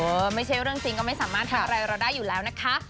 ไม่ใช่เรื่องจริงก็ไม่สามารถทำอะไรเราได้อยู่แล้วนะคะ